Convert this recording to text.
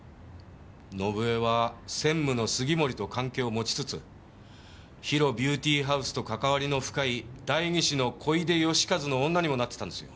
伸枝は専務の杉森と関係を持ちつつＨＩＲＯビューティーハウスとかかわりの深い代議士の小出義和の女にもなっていたんですよ。